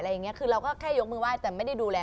คือเราก็แค่ยกมือไห้แต่ไม่ได้ดูแล